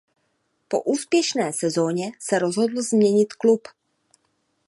Po úspěšné sezóně se rozhodl změnit klub.